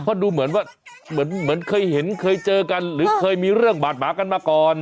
เพราะดูเหมือนว่าเหมือนเคยเห็นเคยเจอกันหรือเคยมีเรื่องบาดหมากันมาก่อน